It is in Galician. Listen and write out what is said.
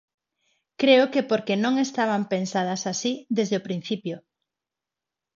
Creo que porque non estaban pensadas así desde o principio.